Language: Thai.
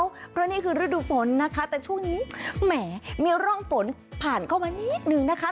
เพราะนี่คือฤดูฝนนะคะแต่ช่วงนี้แหมมีร่องฝนผ่านเข้ามานิดนึงนะคะ